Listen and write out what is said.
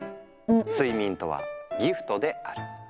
「睡眠とはギフトである」。